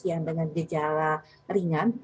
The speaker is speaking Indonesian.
yang dengan gejala ringan